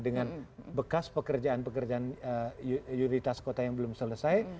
dengan bekas pekerjaan pekerjaan prioritas kota yang belum selesai